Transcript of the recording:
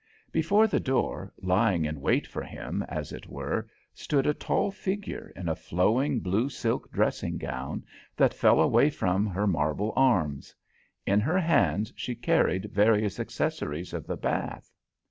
Before the door, lying in wait for him, as it were, stood a tall figure in a flowing blue silk dressing gown that fell away from her marble arms. In her hands she carried various accessories of the bath.